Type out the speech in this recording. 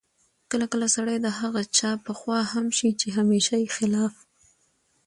کله کله سړی د هغه چا په خوا هم شي چې همېشه یې خلاف